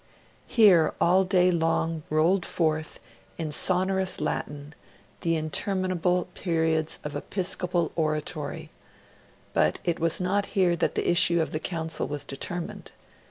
Here all day long rolled forth, in sonorous Latin, the interminable periods of episcopal oratory; but it was not here that the issue of the Council was determined.